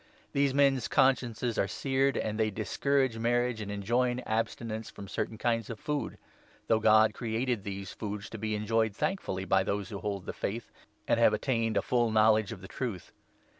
These men's consciences are seared, and they discourage marriage 3 and enjoin abstinence from certain kinds of food ; though God created these foods to be enjoyed thankfully by those who hold the Faith and have attained a full knowledge of the Truth.